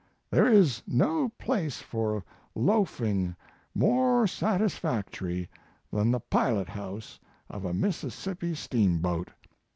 There is no place for loaf ing more satisfactory than the pilot house of a Mississippi steamboat.